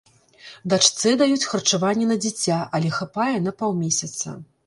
Дачцэ даюць харчаванне на дзіця, але хапае на паўмесяца.